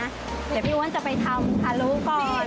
เดี๋ยวพี่อุ้นจะไปทำทะลุก่อน